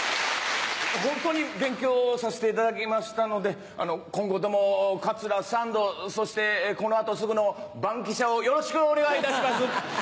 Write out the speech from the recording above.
ホントに勉強させていただきましたので今後とも桂三度そしてこの後すぐの『バンキシャ！』をよろしくお願いいたします。